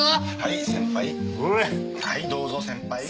はいどうぞ先輩。